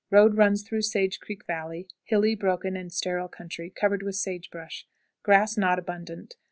Road runs through Sage Creek Valley; hilly, broken, and sterile country, covered with sage brush. Grass not abundant.